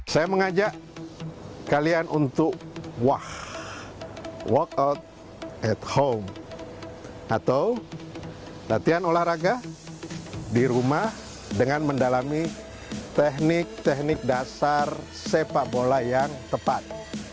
saya mengajak kalian untuk wah walk out at home atau latihan olahraga di rumah dengan mendalami teknik teknik dasar sepak bola yang tepat